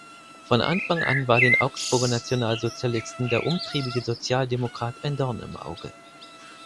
Von Anfang an war den Augsburger Nationalsozialisten der umtriebige Sozialdemokrat ein Dorn im Auge.